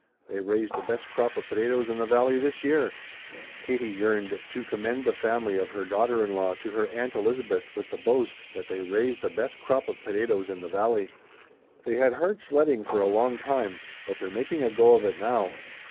They raised the best crop of potatoes in the valley this year." Katie yearned to commend the family of her daughter in law to her Aunt Elizabeth with the boast that they raised the best crop of potatoes in the valley! "They had hard sledding for a long time; but they're making a go of it now.